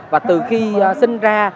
và từ khi sinh ra